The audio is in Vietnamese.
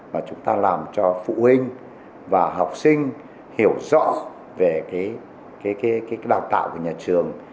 mà chúng ta làm cho phụ huynh và học sinh hiểu rõ về đào tạo của nhà trường